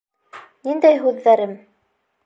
Ниндәй һүҙҙәрем?